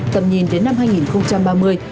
tầm nhìn đến năm hai nghìn ba mươi